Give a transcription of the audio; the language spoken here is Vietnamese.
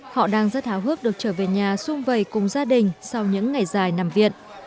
họ đang rất háo hức được trở về nhà xung vầy cùng gia đình sau những ngày dài nằm viện